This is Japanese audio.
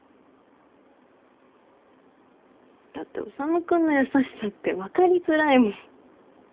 だって修君の優しさって分かりづらいもん。